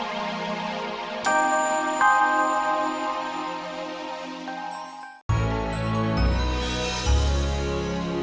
ayo saja si pesawat keller p terrible lined up biar mbak ma tahu nanti